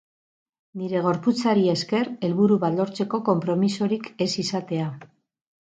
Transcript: Nire gorputzari esker helburu bat lortzeko konpromisorik ez izatea.